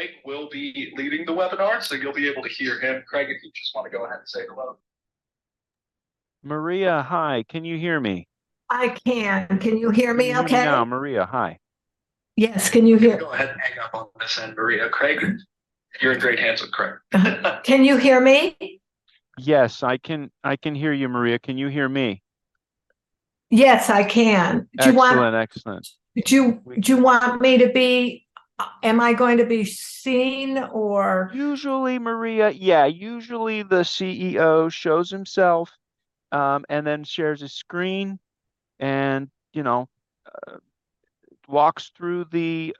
Craig will be leading the webinar, so you'll be able to hear him. Craig, if you just wanna go ahead and say hello. Maria, hi. Can you hear me? I can. Can you hear me okay? Yeah, Maria, hi. Yes, can you hear me? You can go ahead and hang up on this end, Maria. Craig, you're in great hands with Craig. Can you hear me? Yes, I can, I can hear you, Maria. Can you hear me? Yes, I can. Do you want. Excellent. Excellent. Do you want me to be, am I going to be seen, or- Usually, Maria, yeah, usually the CEO shows himself, and then shares his screen and, you know, walks through the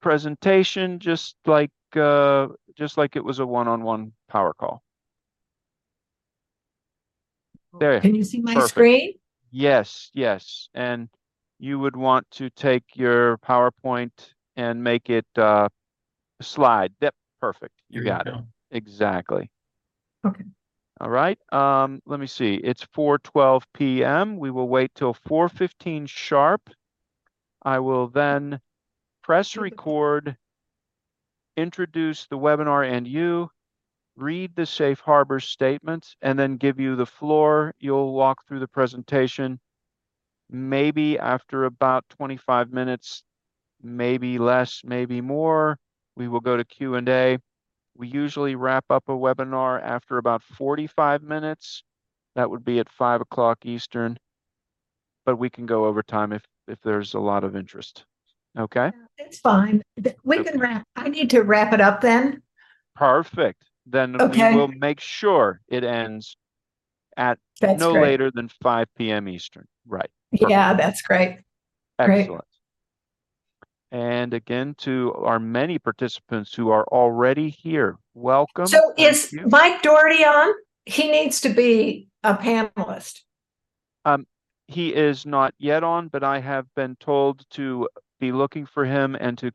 presentation just like, just like it was a one-on-one power call. There. Can you see my screen? Perfect. Yes, yes, and you would want to take your PowerPoint and make it, slide. Yep, perfect. You got it. There you go. Exactly. Okay. All right, let me see. It's 4:12 P.M. We will wait till 4:15 sharp. I will then press record, introduce the webinar, and you, read the safe harbor statement, and then give you the floor. You'll walk through the presentation. Maybe after about 25 minutes, maybe less, maybe more, we will go to Q&A. We usually wrap up a webinar after about 45 minutes. That would be at 5:00 P.M. Eastern, but we can go over time if, if there's a lot of interest. Okay? It's fine. Okay. We can wrap. I need to wrap it up then? Perfect. Okay. Then we will make sure it ends at- That's great No later than 5 P.M. Eastern, right. Yeah, that's great. Excellent. Great. Again, to our many participants who are already here, welcome. Thank you. Is Mike Dougherty on? He needs to be a panelist. He is not yet on, but I have been told to be looking for him and to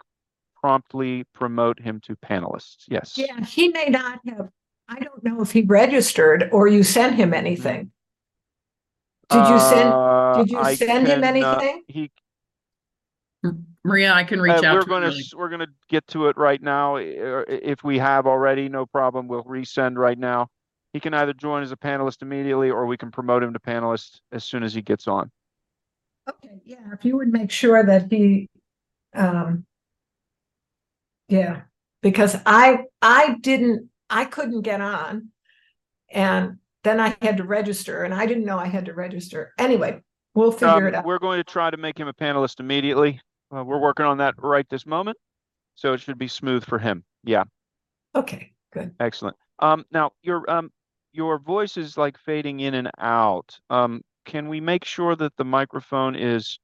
promptly promote him to panelist, yes. Yeah, he may not have. I don't know if he registered or you sent him anything. Did you send him anything? I can. Maria, I can reach out to him for you. We're gonna, we're gonna get to it right now. If we have already, no problem, we'll resend right now. He can either join as a panelist immediately, or we can promote him to panelist as soon as he gets on. Okay, yeah, if you would make sure that he. Yeah, because I, I didn't, I couldn't get on, and then I had to register, and I didn't know I had to register. Anyway, we'll figure it out. We're going to try to make him a panelist immediately. We're working on that right this moment, so it should be smooth for him. Yeah. Okay, good. Excellent. Now, your voice is, like, fading in and out. Can we make sure that the microphone is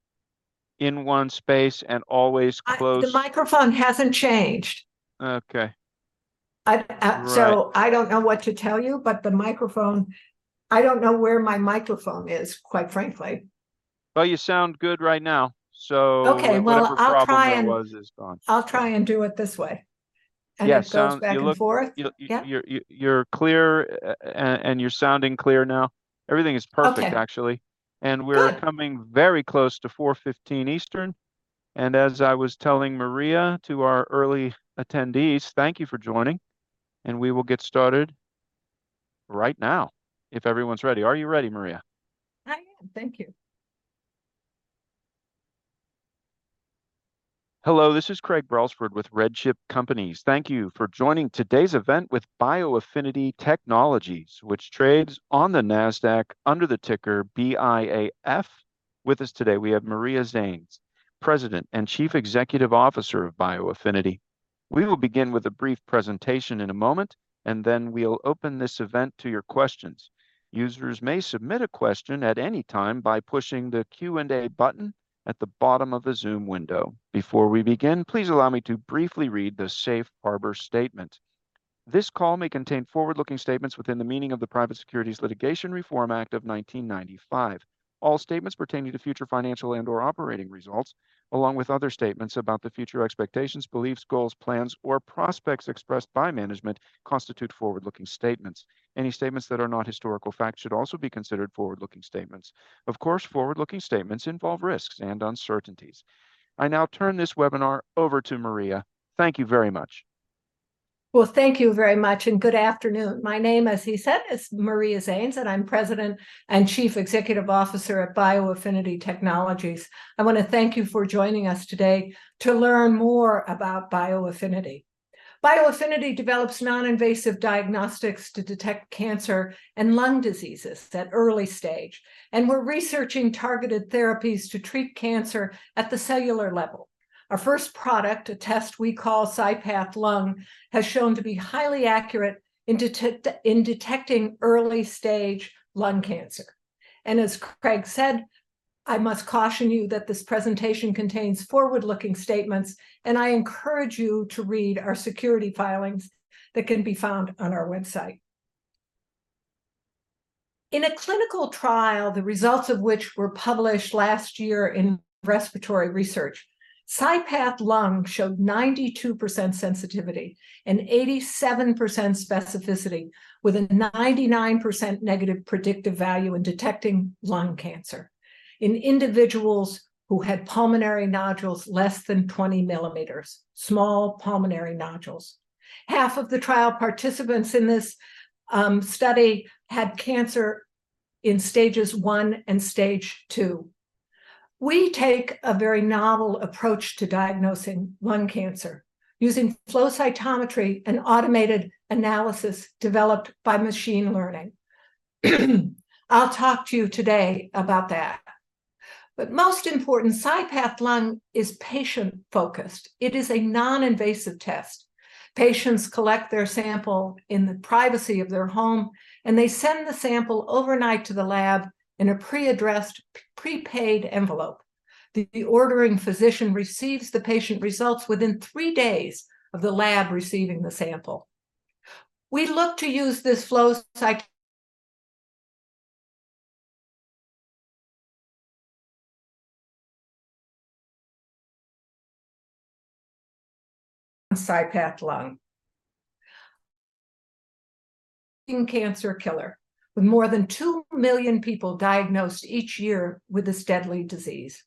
in one space and always close? I, the microphone hasn't changed. Okay. I. Right So I don't know what to tell you, but the microphone, I don't know where my microphone is, quite frankly. Well, you sound good right now, so. Okay Shatever problem there was, is gone. Well, I'll try and do it this way. Yeah, sound. And it goes back and forth? You look. Yeah. You're clear, and you're sounding clear now. Everything is perfect, actually. Okay. And we're. Good Coming very close to 4:15 Eastern, and as I was telling Maria, to our early attendees, thank you for joining, and we will get started right now if everyone's ready. Are you ready, Maria? I am. Thank you. Hello, this is Craig Brelsford with RedChip Companies. Thank you for joining today's event with bioAffinity Technologies, which trades on the Nasdaq under the ticker BIAF. With us today, we have Maria Zannes, President and Chief Executive Officer of bioAffinity. We will begin with a brief presentation in a moment, and then we'll open this event to your questions. Users may submit a question at any time by pushing the Q&A button at the bottom of the Zoom window. Before we begin, please allow me to briefly read the safe harbor statement. This call may contain forward-looking statements within the meaning of the Private Securities Litigation Reform Act of 1995. All statements pertaining to future financial and/or operating results, along with other statements about the future expectations, beliefs, goals, plans, or prospects expressed by management, constitute forward-looking statements. Any statements that are not historical facts should also be considered forward-looking statements. Of course, forward-looking statements involve risks and uncertainties. I now turn this webinar over to Maria. Thank you very much. Well, thank you very much, and good afternoon. My name, as he said, is Maria Zannes, and I'm President and Chief Executive Officer at bioAffinity Technologies. I wanna thank you for joining us today to learn more about bioAffinity. bioAffinity develops non-invasive diagnostics to detect cancer and lung diseases at early stage, and we're researching targeted therapies to treat cancer at the cellular level. Our first product, a test we call CyPath Lung, has shown to be highly accurate in detecting early stage lung cancer. As Craig said, I must caution you that this presentation contains forward-looking statements, and I encourage you to read our securities filings that can be found on our website. In a clinical trial, the results of which were published last year in Respiratory Research, CyPath Lung showed 92% sensitivity and 87% specificity, with a 99% negative predictive value in detecting lung cancer in individuals who had pulmonary nodules less than 20 millimeters, small pulmonary nodules. Half of the trial participants in this study had cancer in stages 1 and stage 2. We take a very novel approach to diagnosing lung cancer, using flow cytometry and automated analysis developed by machine learning. I'll talk to you today about that. But most important, CyPath Lung is patient-focused. It is a non-invasive test. Patients collect their sample in the privacy of their home, and they send the sample overnight to the lab in a pre-addressed, prepaid envelope. The ordering physician receives the patient results within three days of the lab receiving the sample. We look to use this flow cytometry CyPath Lung. Cancer killer, with more than 2 million people diagnosed each year with this deadly disease.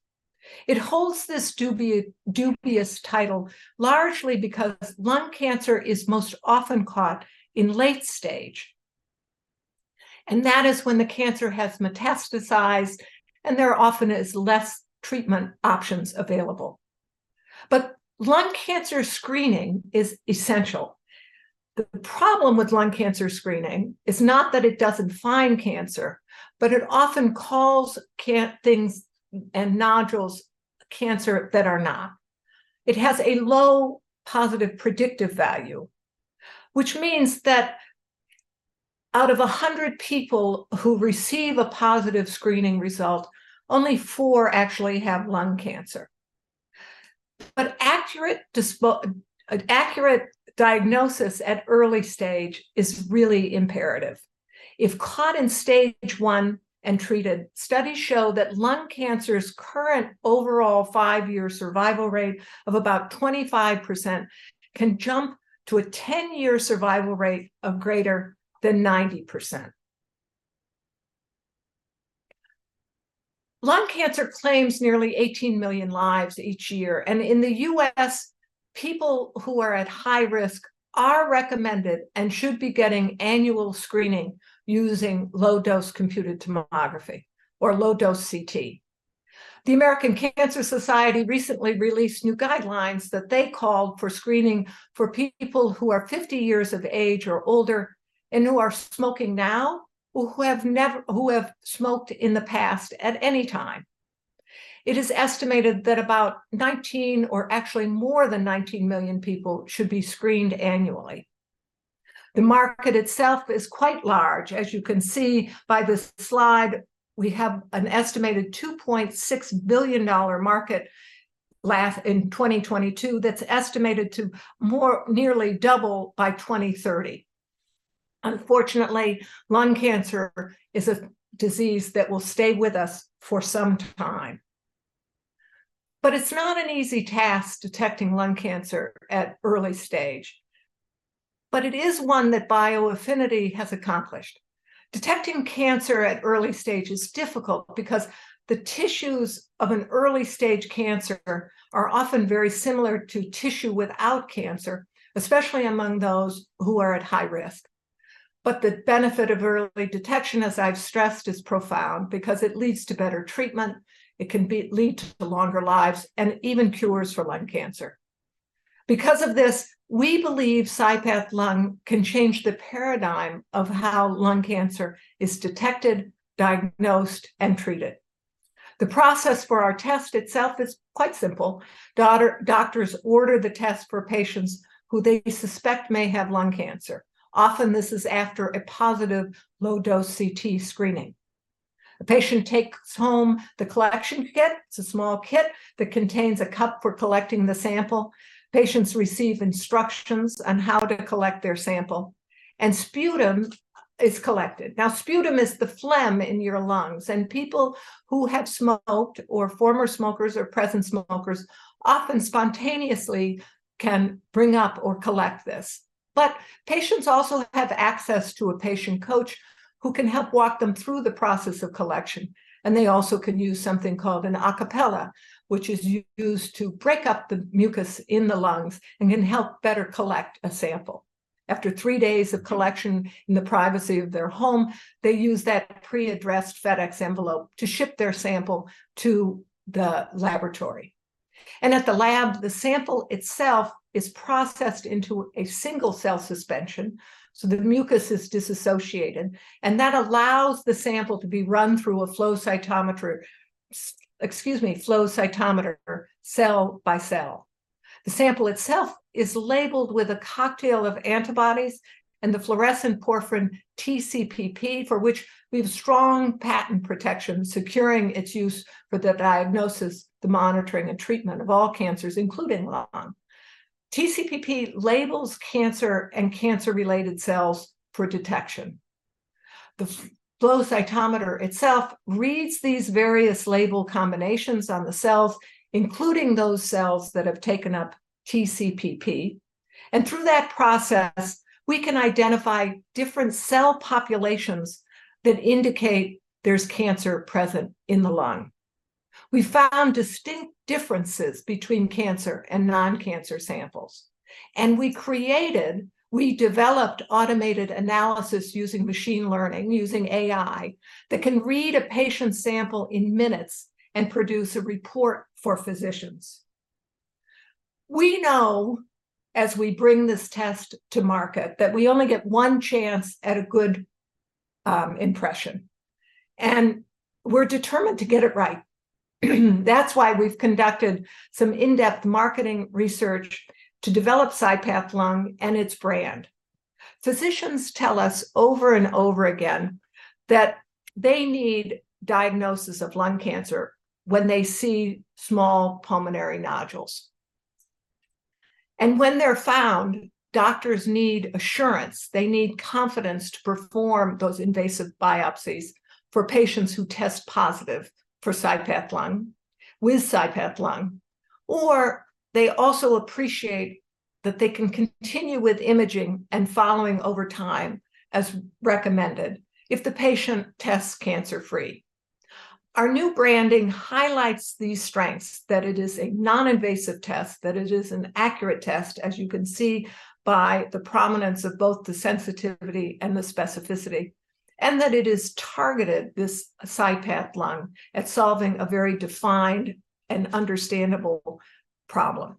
It holds this dubious title largely because lung cancer is most often caught in late stage, and that is when the cancer has metastasized and there often is less treatment options available. But lung cancer screening is essential. The problem with lung cancer screening is not that it doesn't find cancer, but it often calls things and nodules cancer that are not. It has a low positive predictive value, which means that out of 100 people who receive a positive screening result, only 4 actually have lung cancer. But an accurate diagnosis at early stage is really imperative. If caught in stage 1 and treated, studies show that lung cancer's current overall five-year survival rate of about 25% can jump to a ten-year survival rate of greater than 90%. Lung cancer claims nearly 18 million lives each year, and in the U.S., people who are at high risk are recommended and should be getting annual screening using low-dose computed tomography or low-dose CT. The American Cancer Society recently released new guidelines that they called for screening for people who are 50 years of age or older and who are smoking now, or who have smoked in the past at any time. It is estimated that about 19 or actually more than 19 million people should be screened annually. The market itself is quite large. As you can see by this slide, we have an estimated $2.6 billion market last in 2022, that's estimated to nearly double by 2030. Unfortunately, lung cancer is a disease that will stay with us for some time. But it's not an easy task detecting lung cancer at early stage, but it is one that bioAffinity has accomplished. Detecting cancer at early stage is difficult because the tissues of an early-stage cancer are often very similar to tissue without cancer, especially among those who are at high risk. But the benefit of early detection, as I've stressed, is profound, because it leads to better treatment, it can lead to longer lives, and even cures for lung cancer. Because of this, we believe CyPath® Lung can change the paradigm of how lung cancer is detected, diagnosed, and treated. The process for our test itself is quite simple. Doctor, doctors order the test for patients who they suspect may have lung cancer. Often, this is after a positive low-dose CT screening. A patient takes home the collection kit. It's a small kit that contains a cup for collecting the sample. Patients receive instructions on how to collect their sample, and sputum is collected. Now, sputum is the phlegm in your lungs, and people who have smoked, or former smokers, or present smokers, often spontaneously can bring up or collect this. But patients also have access to a patient coach who can help walk them through the process of collection, and they also can use something called an Acapella, which is used to break up the mucus in the lungs and can help better collect a sample. After three days of collection in the privacy of their home, they use that pre-addressed FedEx envelope to ship their sample to the laboratory. At the lab, the sample itself is processed into a single-cell suspension, so the mucus is disassociated, and that allows the sample to be run through a flow cytometer, cell by cell. The sample itself is labeled with a cocktail of antibodies and the fluorescent porphyrin TCPP, for which we've strong patent protection, securing its use for the diagnosis, the monitoring, and treatment of all cancers, including lung. TCPP labels cancer and cancer-related cells for detection. The flow cytometer itself reads these various label combinations on the cells, including those cells that have taken up TCPP, and through that process, we can identify different cell populations that indicate there's cancer present in the lung. We found distinct differences between cancer and non-cancer samples, and we created, we developed automated analysis using machine learning, using AI, that can read a patient's sample in minutes and produce a report for physicians. We know, as we bring this test to market, that we only get one chance at a good impression, and we're determined to get it right. That's why we've conducted some in-depth marketing research to develop CyPath Lung and its brand. Physicians tell us over and over again that they need diagnosis of lung cancer when they see small pulmonary nodules. When they're found, doctors need assurance, they need confidence to perform those invasive biopsies for patients who test positive for CyPath Lung, with CyPath Lung. Or they also appreciate that they can continue with imaging and following over time, as recommended, if the patient tests cancer-free. Our new branding highlights these strengths, that it is a non-invasive test, that it is an accurate test, as you can see by the prominence of both the sensitivity and the specificity, and that it is targeted, this CyPath Lung, at solving a very defined and understandable problem.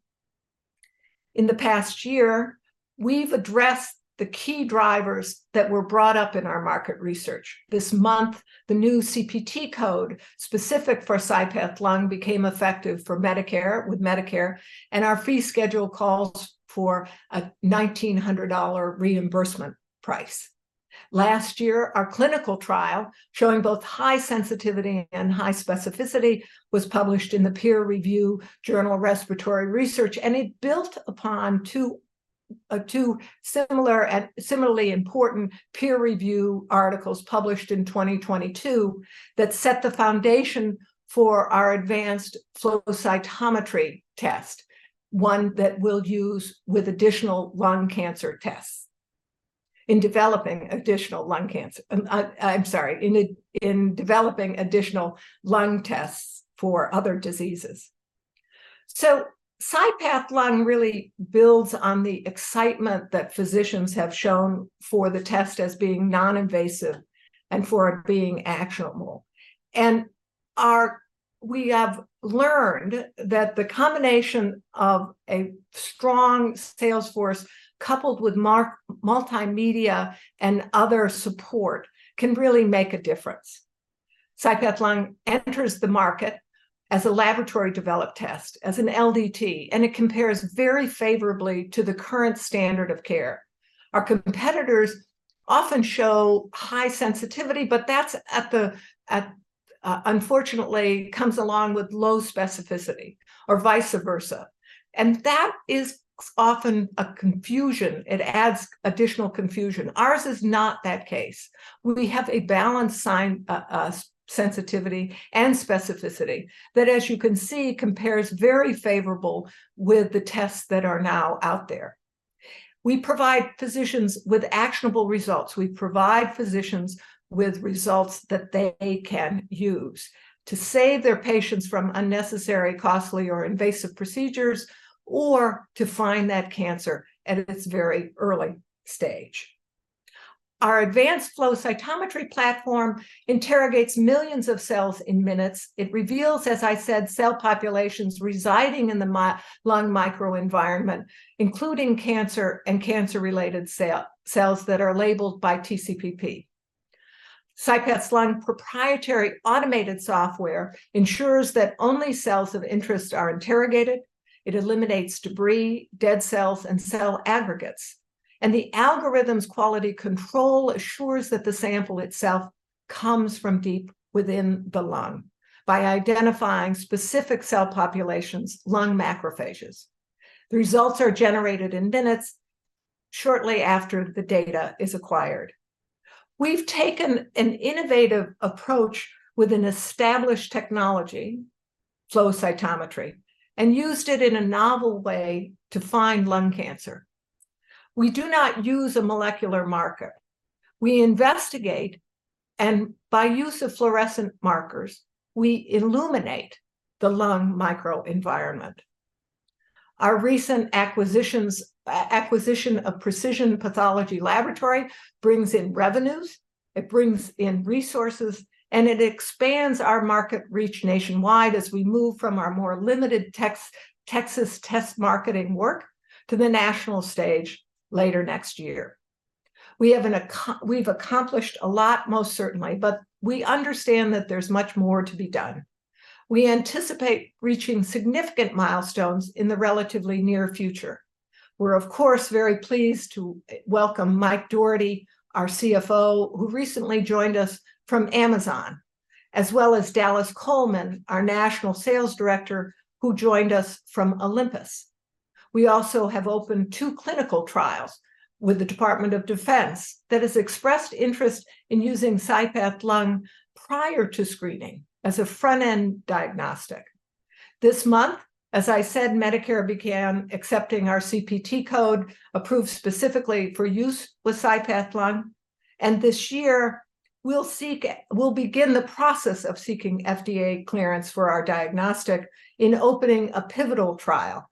In the past year, we've addressed the key drivers that were brought up in our market research. This month, the new CPT code, specific for CyPath Lung, became effective for Medicare with Medicare, and our fee schedule calls for a $1,900 reimbursement price. Last year, our clinical trial, showing both high sensitivity and high specificity, was published in the peer-reviewed journal, Respiratory Research, and it built upon two similar and similarly important peer-reviewed articles published in 2022, that set the foundation for our advanced flow cytometry test, one that we'll use with additional lung cancer tests in developing additional lung tests for other diseases. So, CyPath Lung really builds on the excitement that physicians have shown for the test as being non-invasive and for it being actionable. And we have learned that the combination of a strong sales force, coupled with multimedia and other support, can really make a difference. CyPath Lung enters the market as a laboratory-developed test, as an LDT, and it compares very favorably to the current standard of care. Our competitors often show high sensitivity, but that's unfortunately comes along with low specificity, or vice versa, and that is often a confusion. It adds additional confusion. Ours is not that case. We have a balanced sign, sensitivity and specificity, that as you can see, compares very favorably with the tests that are now out there. We provide physicians with actionable results. We provide physicians with results that they can use to save their patients from unnecessary, costly, or invasive procedures, or to find that cancer at its very early stage. Our advanced flow cytometry platform interrogates millions of cells in minutes. It reveals, as I said, cell populations residing in the lung microenvironment, including cancer and cancer-related cells that are labeled by TCPP. CyPath Lung proprietary automated software ensures that only cells of interest are interrogated. It eliminates debris, dead cells, and cell aggregates, and the algorithm's quality control assures that the sample itself comes from deep within the lung by identifying specific cell populations, lung macrophages. The results are generated in minutes, shortly after the data is acquired. We've taken an innovative approach with an established technology, flow cytometry, and used it in a novel way to find lung cancer. We do not use a molecular marker. We investigate, and by use of fluorescent markers, we illuminate the lung microenvironment. Our recent acquisitions, acquisition of Precision Pathology Laboratory brings in revenues, it brings in resources, and it expands our market reach nationwide as we move from our more limited Texas test marketing work to the national stage later next year. We've accomplished a lot, most certainly, but we understand that there's much more to be done. We anticipate reaching significant milestones in the relatively near future. We're, of course, very pleased to welcome Mike Dougherty, our CFO, who recently joined us from Amazon, as well as Dallas Coleman, our national sales director, who joined us from Olympus. We also have opened two clinical trials with the Department of Defense, that has expressed interest in using CyPath Lung prior to screening, as a front-end diagnostic. This month, as I said, Medicare began accepting our CPT code, approved specifically for use with CyPath Lung, and this year, we'll seek, we'll begin the process of seeking FDA clearance for our diagnostic in opening a pivotal trial,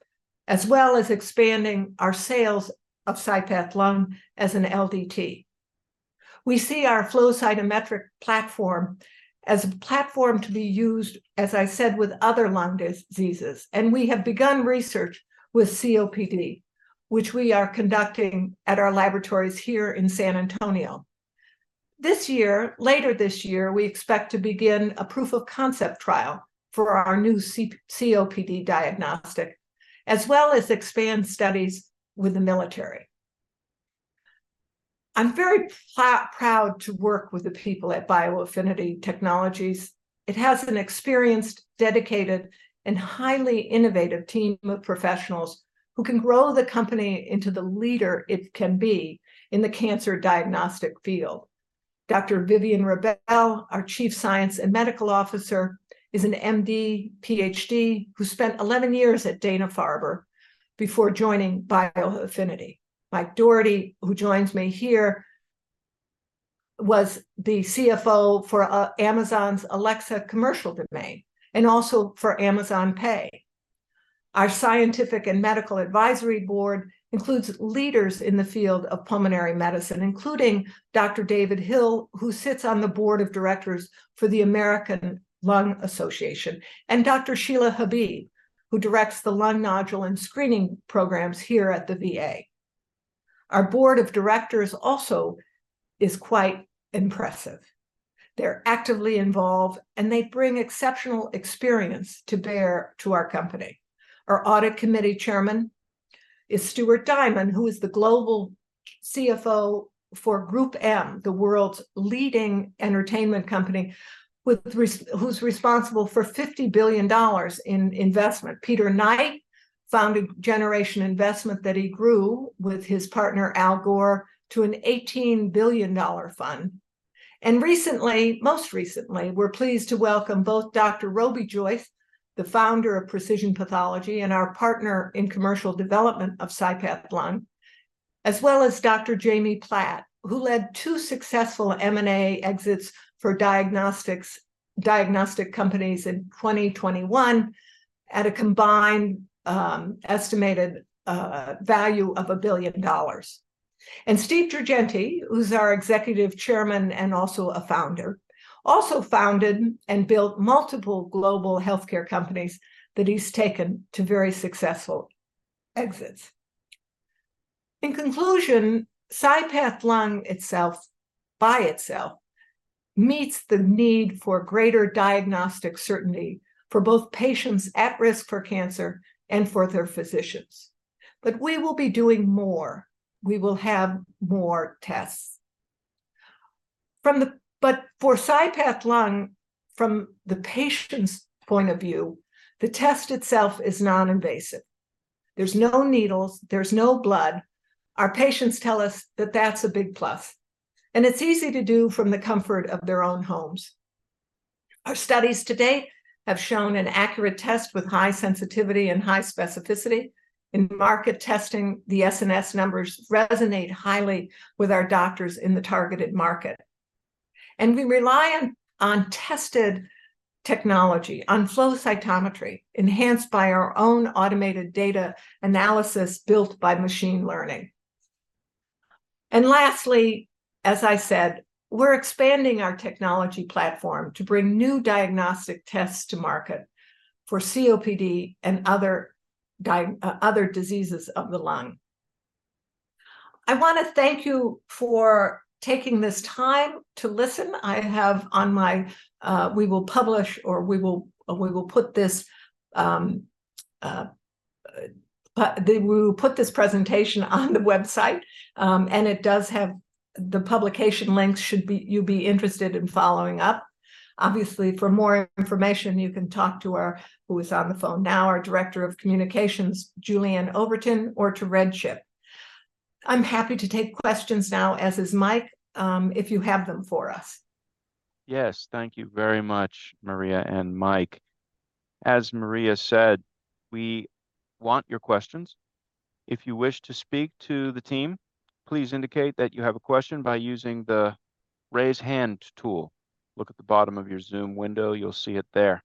as well as expanding our sales of CyPath Lung as an LDT. We see our flow cytometric platform as a platform to be used, as I said, with other lung diseases, and we have begun research with COPD, which we are conducting at our laboratories here in San Antonio. This year, later this year, we expect to begin a proof-of-concept trial for our new COPD diagnostic, as well as expand studies with the military. I'm very proud to work with the people at bioAffinity Technologies. It has an experienced, dedicated, and highly innovative team of professionals, who can grow the company into the leader it can be in the cancer diagnostic field. Dr. Vivienne Rebel, our Chief Science and Medical Officer, is an MD, PhD, who spent 11 years at Dana-Farber before joining bioAffinity. Mike Dougherty, who joins me here, was the CFO for Amazon's Alexa Business Domains, and also for Amazon Pay. Our scientific and medical advisory board includes leaders in the field of pulmonary medicine, including Dr. David Hill, who sits on the board of directors for the American Lung Association, and Dr. Sheila Habib, who directs the lung nodule and screening programs here at the VA. Our board of directors also is quite impressive. They're actively involved, and they bring exceptional experience to bear to our company. Our audit committee chairman is Stuart Diamond, who is the global CFO for GroupM, the world's leading entertainment company, who's responsible for $50 billion in investment. Peter Knight founded Generation Investment, that he grew with his partner, Al Gore, to an $18 billion fund. Recently, most recently, we're pleased to welcome both Dr. Roby Joyce, the founder of Precision Pathology and our partner in commercial development of CyPath Lung, as well as Dr. Jamie Platt, who led two successful M&A exits for diagnostics, diagnostic companies in 2021 at a combined estimated value of $1 billion. And Steven Girgenti, who's our executive chairman and also a founder, also founded and built multiple global healthcare companies that he's taken to very successful exits. In conclusion, CyPath® Lung itself, by itself, meets the need for greater diagnostic certainty for both patients at risk for cancer and for their physicians. But we will be doing more. We will have more tests. But for CyPath® Lung, from the patient's point of view, the test itself is non-invasive. There's no needles, there's no blood. Our patients tell us that that's a big plus, and it's easy to do from the comfort of their own homes. Our studies to date have shown an accurate test with high sensitivity and high specificity. In market testing, the S and S numbers resonate highly with our doctors in the targeted market. We rely on tested technology, on flow cytometry, enhanced by our own automated data analysis built by machine learning. Lastly, as I said, we're expanding our technology platform to bring new diagnostic tests to market for COPD and other diseases of the lung. I want to thank you for taking this time to listen. We will put this presentation on the website, and it does have the publication links, should you be interested in following up. Obviously, for more information, you can talk to our Director of Communications, Julie Anne Overton, who is on the phone now, or to RedChip. I'm happy to take questions now, as is Mike, if you have them for us. Yes. Thank you very much, Maria and Mike. As Maria said, we want your questions. If you wish to speak to the team, please indicate that you have a question by using the Raise Hand tool. Look at the bottom of your Zoom window, you'll see it there.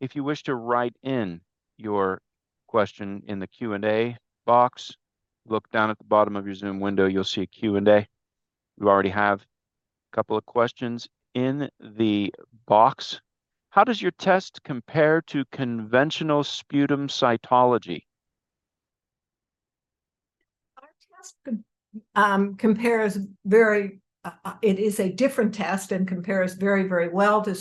If you wish to write in your question in the Q&A box, look down at the bottom of your Zoom window, you'll see a Q&A. We already have a couple of questions in the box. How does your test compare to conventional sputum cytology? The test compares very, it is a different test and compares very, very well to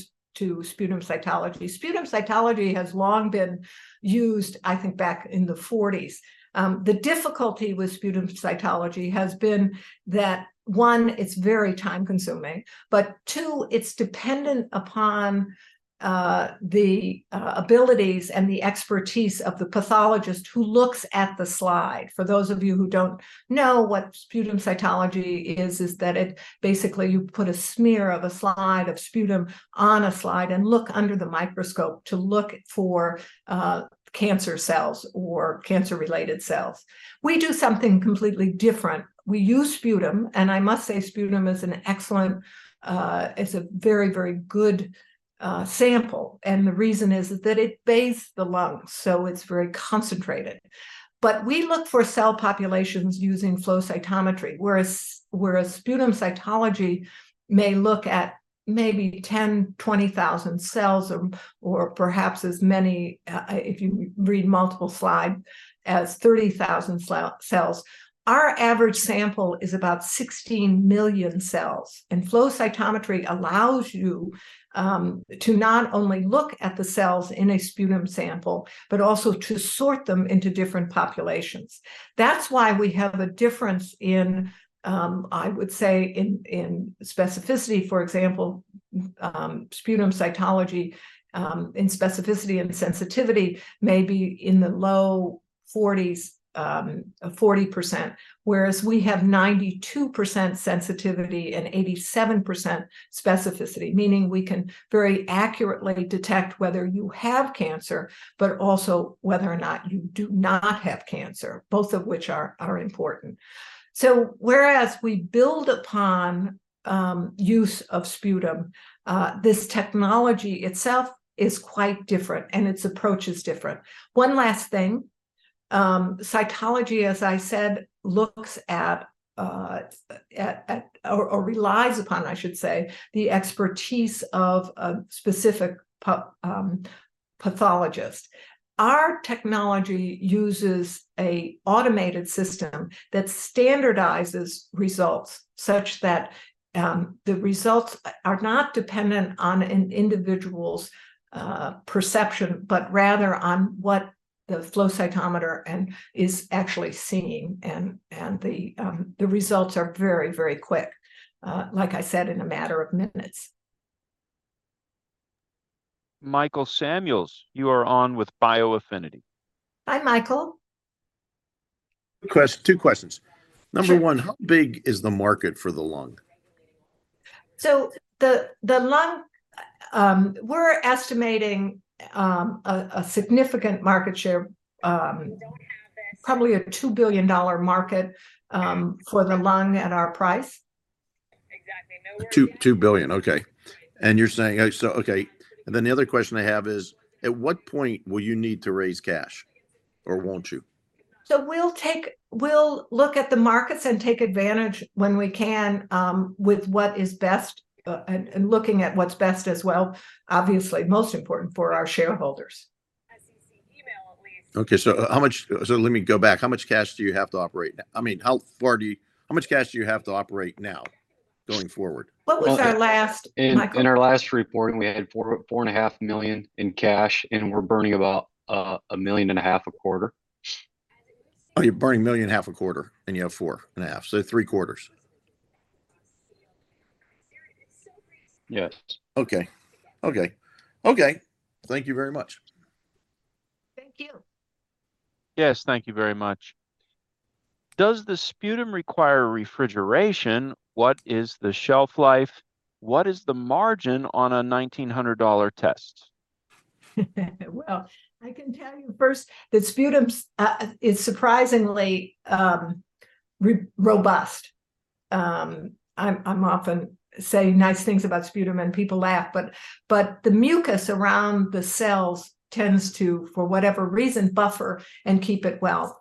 sputum cytology. Sputum cytology has long been used, I think back in the 1940s. The difficulty with sputum cytology has been that, one, it's very time-consuming, but two, it's dependent upon the abilities and the expertise of the pathologist who looks at the slide. For those of you who don't know what sputum cytology is, basically, you put a smear of a slide of sputum on a slide and look under the microscope to look for cancer cells or cancer-related cells. We do something completely different. We use sputum, and I must say sputum is an excellent, it's a very, very good sample, and the reason is that it bathes the lungs, so it's very concentrated. But we look for cell populations using flow cytometry, whereas a sputum cytology may look at maybe 10 or 20,000 cells or perhaps as many, if you read multiple slides, as 30,000 cells. Our average sample is about 16 million cells, and flow cytometry allows you to not only look at the cells in a sputum sample, but also to sort them into different populations. That's why we have a difference in, I would say, specificity. For example, sputum cytology in specificity and sensitivity may be in the low 40s, 40%, whereas we have 92% sensitivity and 87% specificity, meaning we can very accurately detect whether you have cancer, but also whether or not you do not have cancer, both of which are important. So whereas we build upon use of sputum, this technology itself is quite different, and its approach is different. One last thing, cytology, as I said, looks at or relies upon, I should say, the expertise of a specific pathologist. Our technology uses a automated system that standardizes results such that the results are not dependent on an individual's perception, but rather on what the flow cytometer and is actually seeing, and the results are very, very quick, like I said, in a matter of minutes. Michael Samuels, you are on with bioAffinity. Hi, Michael. 2 questions. Sure. Number 1, how big is the market for the lung? So the lung, we're estimating a significant market share, probably a $2 billion market for the lung at our price. Exactly, no. $2.2 billion, okay. And you're saying. So, okay, and then the other question I have is: At what point will you need to raise cash, or won't you? We'll look at the markets and take advantage when we can, with what is best, and looking at what's best as well, obviously most important for our shareholders. I see the email at least. Okay, so let me go back. How much cash do you have to operate now? I mean, how much cash do you have to operate now, going forward? What was our last, Michael? In our last reporting, we had $4.5 million in cash, and we're burning about $1.5 million a quarter. Oh, you're burning $1.5 million a quarter, and you have $4.5 million, so three quarters. Yes. Okay. Okay. Okay, thank you very much. Thank you. Yes, thank you very much. Does the sputum require refrigeration? What is the shelf life? What is the margin on a $1,900 test? Well, I can tell you first that sputum is surprisingly robust. I'm often saying nice things about sputum, and people laugh, but the mucus around the cells tends to, for whatever reason, buffer and keep it well.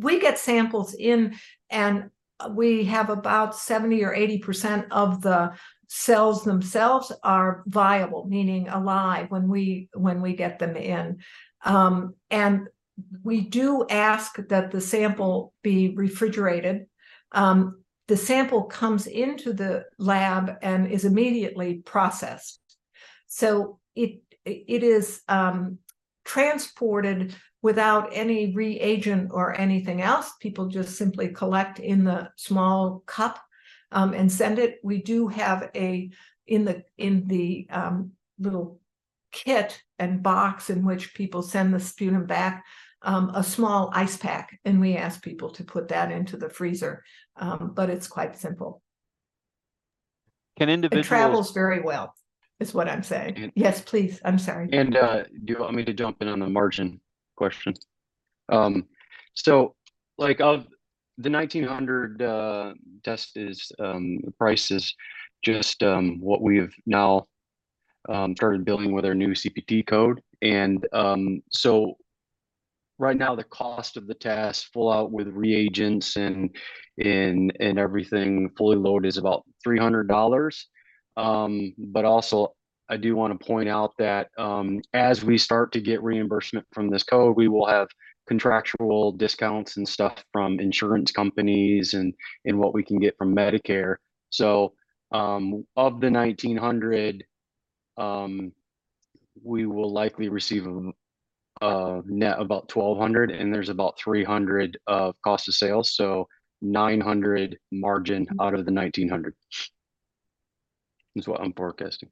We get samples in, and we have about 70%-80% of the cells themselves are viable, meaning alive, when we get them in. And we do ask that the sample be refrigerated. The sample comes into the lab and is immediately processed. So it is transported without any reagent or anything else. People just simply collect in the small cup and send it. We do have a little kit and box in which people send the sputum back, a small ice pack, and we ask people to put that into the freezer. But it's quite simple. Can individual. It travels very well, is what I'm saying. And. Yes, please, I'm sorry. Do you want me to jump in on the margin question? So, like, of the $1,900 test is the price is just what we've now started billing with our new CPT code. So right now, the cost of the test, full out with reagents and everything, fully loaded, is about $300. But I do want to point out that as we start to get reimbursement from this code, we will have contractual discounts and stuff from insurance companies and what we can get from Medicare. So of the $1,900, we will likely receive a net about $1,200, and there's about $300 of cost of sales, so $900 margin out of the $1,900. Is what I'm forecasting.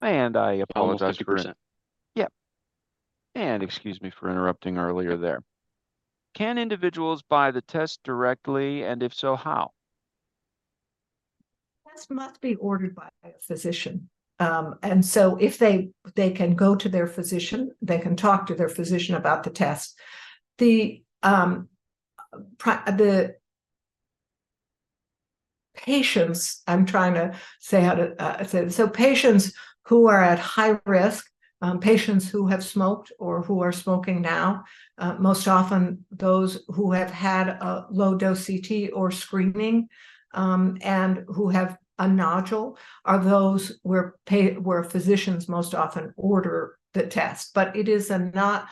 I apologize for. Fifty percent. Yeah. Excuse me for interrupting earlier there. Can individuals buy the test directly, and if so, how? Tests must be ordered by a physician. So if they can go to their physician, they can talk to their physician about the test. The patients, I'm trying to say how to say. So patients who are at high risk, patients who have smoked or who are smoking now, most often those who have had a low-dose CT or screening, and who have a nodule, are those where physicians most often order the test. But it is not.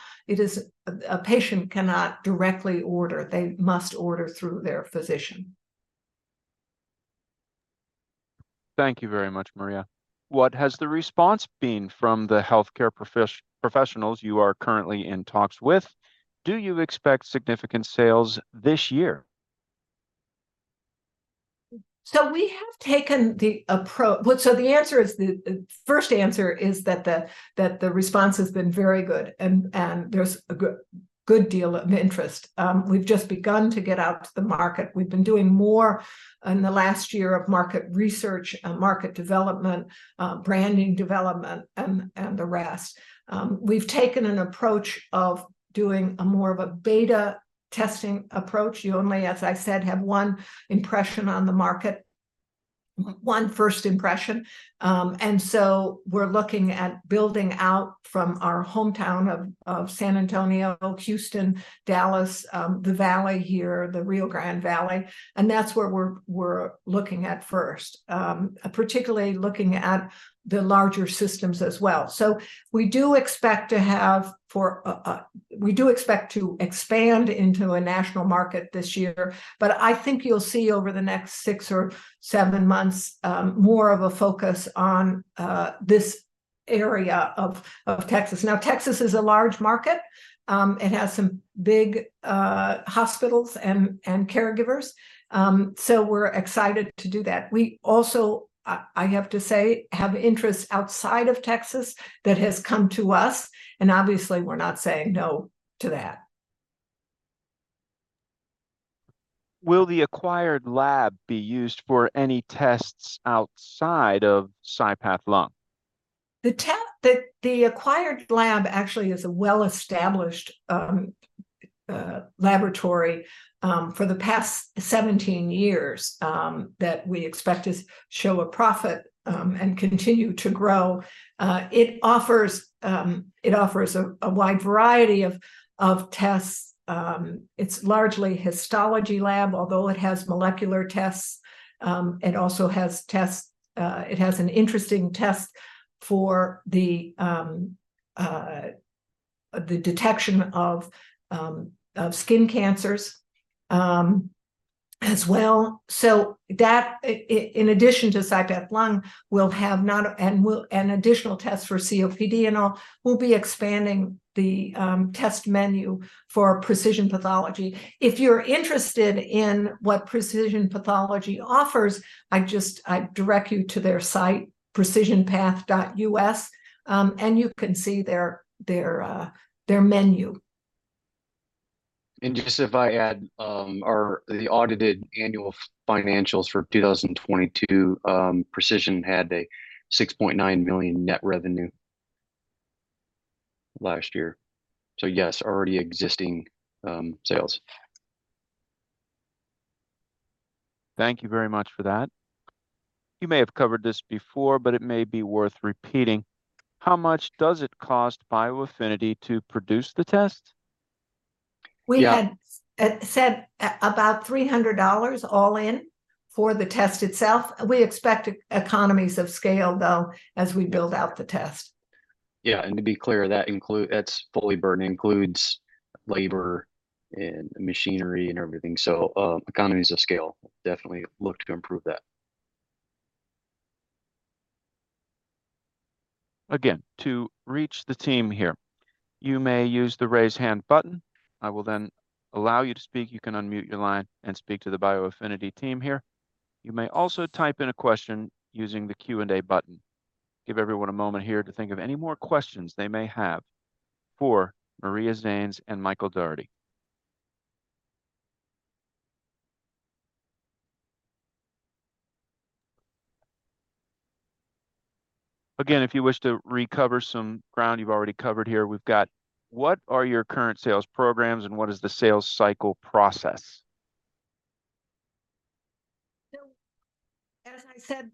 A patient cannot directly order. They must order through their physician. Thank you very much, Maria. What has the response been from the healthcare professionals you are currently in talks with? Do you expect significant sales this year? Well, so the answer is, the first answer is that the response has been very good, and there's a good deal of interest. We've just begun to get out to the market. We've been doing more in the last year of market research and market development, branding development, and the rest. We've taken an approach of doing more of a beta testing approach. You only, as I said, have one impression on the market, one first impression. And so we're looking at building out from our hometown of San Antonio, Houston, Dallas, the Valley here, the Rio Grande Valley, and that's where we're looking at first. Particularly looking at the larger systems as well. So we do expect to have for a. We do expect to expand into a national market this year, but I think you'll see over the next 6 or 7 months, more of a focus on this area of Texas. Now, Texas is a large market, it has some big hospitals and caregivers. So we're excited to do that. We also, I have to say, have interest outside of Texas that has come to us, and obviously, we're not saying no to that. Will the acquired lab be used for any tests outside of CyPath Lung? The acquired lab actually is a well-established laboratory for the past 17 years that we expect to show a profit and continue to grow. It offers a wide variety of tests. It's largely histology lab, although it has molecular tests, it also has tests. It has an interesting test for the detection of skin cancers, as well. So that, in addition to CyPath Lung, we'll have now, and will, an additional test for COPD, and we'll be expanding the test menu for Precision Pathology. If you're interested in what Precision Pathology offers, I direct you to their site, precisionpath.us, and you can see their menu. And just if I add, our, the audited annual financials for 2022, Precision had a $6.9 million net revenue last year. So yes, already existing sales. Thank you very much for that. You may have covered this before, but it may be worth repeating: How much does it cost bioAffinity to produce the test? We had. Yeah Said, about $300 all in for the test itself. We expect economies of scale, though, as we build out the test. Yeah, and to be clear, that's fully burned, includes labor and machinery and everything. So, economies of scale definitely look to improve that. Again, to reach the team here, you may use the Raise Hand button. I will then allow you to speak. You can unmute your line and speak to the bioAffinity team here. You may also type in a question using the Q&A button. Give everyone a moment here to think of any more questions they may have for Maria Zannes and Michael Dougherty. Again, if you wish to re-cover some ground you've already covered here, we've got, what are your current sales programs, and what is the sales cycle process? So as I said,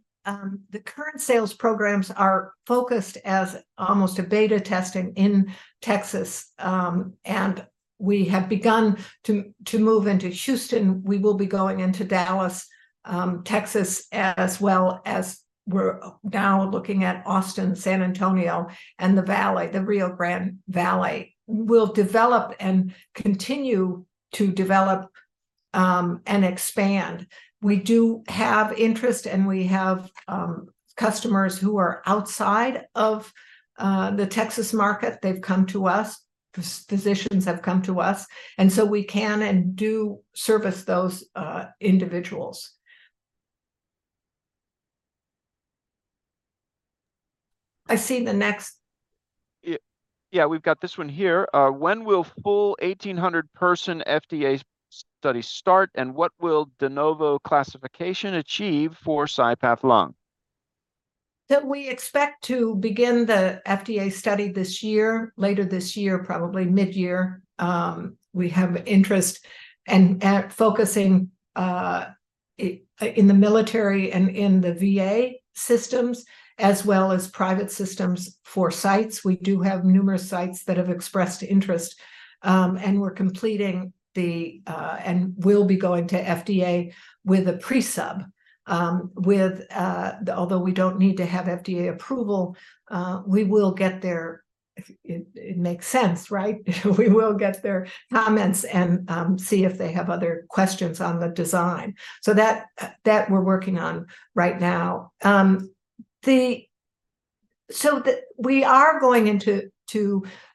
the current sales programs are focused as almost a beta testing in Texas, and we have begun to move into Houston. We will be going into Dallas, Texas, as well as we're now looking at Austin, San Antonio, and the Valley, the Rio Grande Valley. We'll develop and continue to develop, and expand. We do have interest, and we have customers who are outside of the Texas market. They've come to us, physicians have come to us, and so we can and do service those individuals. I see the next- Yeah, yeah, we've got this one here. "When will full 1,800 person FDA study start, and what will de novo classification achieve for CyPath Lung? That we expect to begin the FDA study this year, later this year, probably mid-year. We have interest and at focusing in the military and in the VA systems, as well as private systems for sites. We do have numerous sites that have expressed interest, and we're completing the. We'll be going to FDA with a pre-sub. With, although we don't need to have FDA approval, we will get their. It makes sense, right? We will get their comments and see if they have other questions on the design. So that that we're working on right now. So we are going into,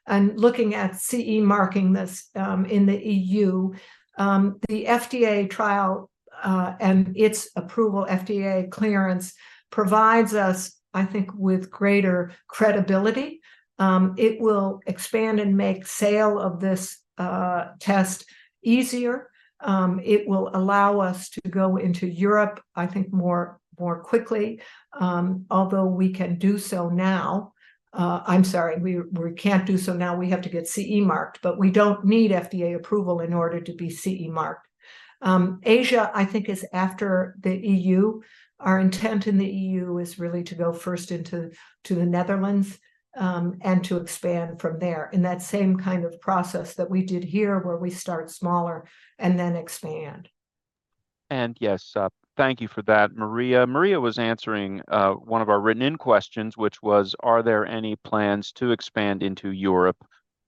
and looking at CE marking this in the EU. The FDA trial, and its approval, FDA clearance, provides us, I think, with greater credibility. It will expand and make sale of this test easier. It will allow us to go into Europe, I think, more quickly. Although we can do so now. I'm sorry, we can't do so now, we have to get CE marked, but we don't need FDA approval in order to be CE marked. Asia, I think, is after the EU. Our intent in the EU is really to go first into the Netherlands and to expand from there, in that same kind of process that we did here, where we start smaller and then expand. Yes, thank you for that, Maria. Maria was answering one of our written-in questions, which was, "Are there any plans to expand into Europe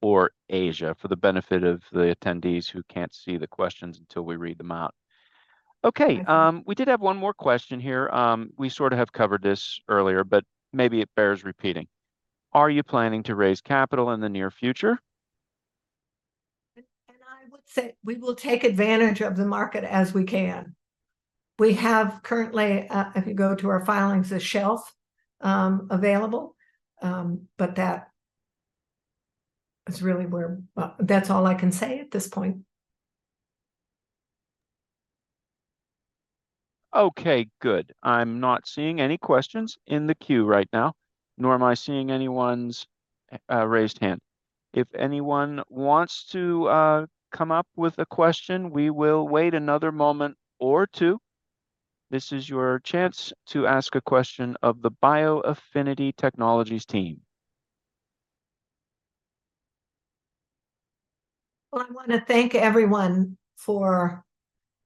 or Asia?" For the benefit of the attendees who can't see the questions until we read them out. Okay. We did have one more question here. We sort of have covered this earlier, but maybe it bears repeating: "Are you planning to raise capital in the near future? And I would say, we will take advantage of the market as we can. We have currently, if you go to our filings, a shelf available, but that is really where. Well, that's all I can say at this point. Okay, good. I'm not seeing any questions in the queue right now, nor am I seeing anyone's raised hand. If anyone wants to come up with a question, we will wait another moment or two. This is your chance to ask a question of the bioAffinity Technologies team. Well, I wanna thank everyone for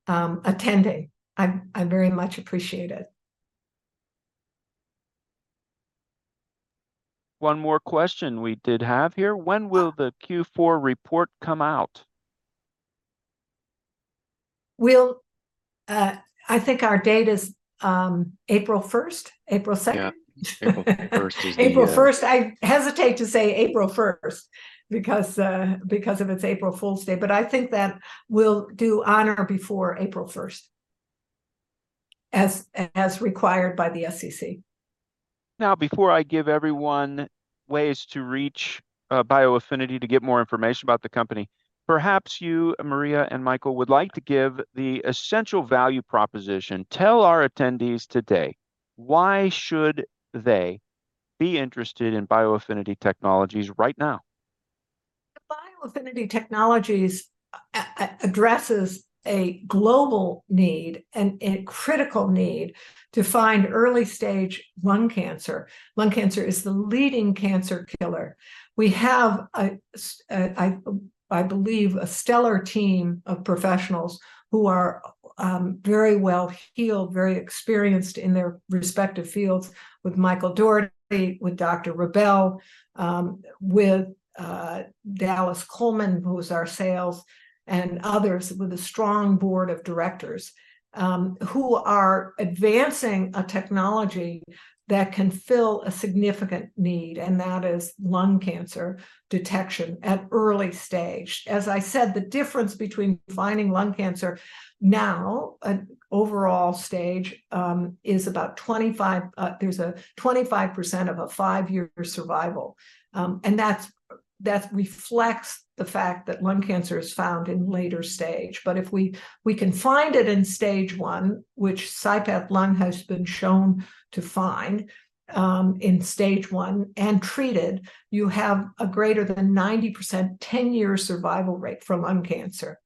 attending. I very much appreciate it. One more question we did have here: "When will the Q4 report come out? Well, I think our date is April first, April second? Yeah, April first is the. April first. I hesitate to say April first, because it's April Fool's Day, but I think that we'll do on or before April first, as required by the SEC. Now, before I give everyone ways to reach, bioAffinity to get more information about the company, perhaps you, Maria and Michael, would like to give the essential value proposition. Tell our attendees today, why should they be interested in bioAffinity Technologies right now? bioAffinity Technologies addresses a global need and a critical need to find early stage lung cancer. Lung cancer is the leading cancer killer. We have, I believe, a stellar team of professionals who are very well-heeled, very experienced in their respective fields, with Michael Dougherty, with Dr. Rebel, with Dallas Coleman, who is our sales, and others, with a strong board of directors, who are advancing a technology that can fill a significant need, and that is lung cancer detection at early stage. As I said, the difference between finding lung cancer now, at overall stage, is about 25. There's a 25% of a five-year survival. And that's, that reflects the fact that lung cancer is found in later stage. But if we can find it in stage one, which CyPath Lung has been shown to find, in stage one, and treated, you have a greater than 90% ten-year survival rate from lung cancer.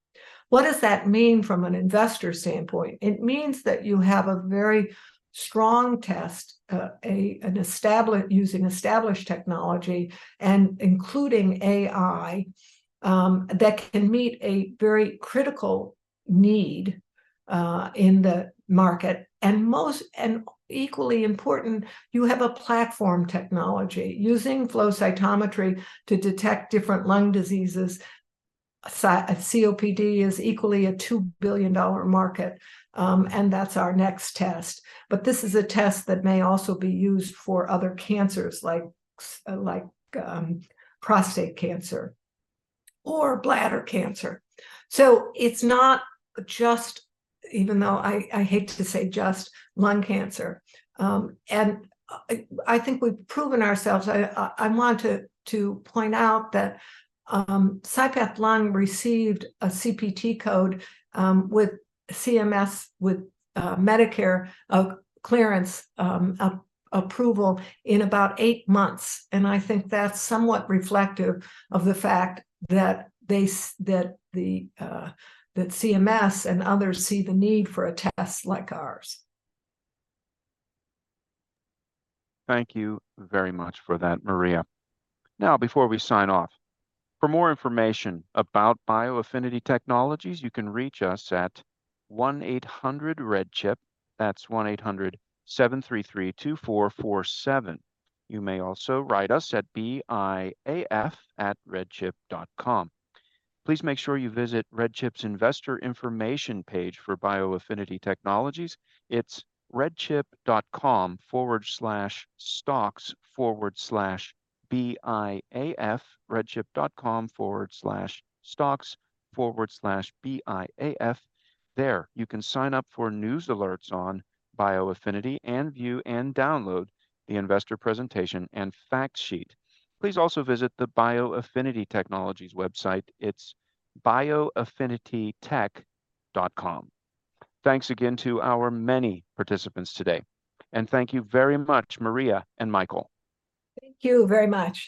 What does that mean from an investor standpoint? It means that you have a very strong test, an established, using established technology and including AI, that can meet a very critical need, in the market. And equally important, you have a platform technology. Using flow cytometry to detect different lung diseases, CyPath COPD is equally a $2 billion market, and that's our next test. But this is a test that may also be used for other cancers like prostate cancer or bladder cancer. So it's not just, even though I hate to say just lung cancer. I want to point out that CyPath® Lung received a CPT code with CMS with Medicare clearance approval in about eight months, and I think that's somewhat reflective of the fact that they see that the CMS and others see the need for a test like ours. Thank you very much for that, Maria. Now, before we sign off, for more information about bioAffinity Technologies, you can reach us at 1-800 RedChip, that's +1 800-733-2447. You may also write us at biaf@redchip.com. Please make sure you visit RedChip's investor information page for bioAffinity Technologies. It's redchip.com/stocks/biaf, redchip.com/stocks/biaf. There, you can sign up for news alerts on bioAffinity and view and download the investor presentation and fact sheet. Please also visit the bioAffinity Technologies website. It's bioAffinitytech.com. Thanks again to our many participants today, and thank you very much, Maria and Michael. Thank you very much!